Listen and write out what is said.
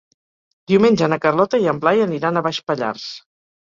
Diumenge na Carlota i en Blai aniran a Baix Pallars.